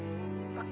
あっ。